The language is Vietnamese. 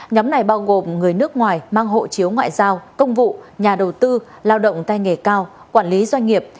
nhóm này bao gồm người nước ngoài mang hộ chiếu ngoại giao công vụ nhà đầu tư lao động tay nghề cao quản lý doanh nghiệp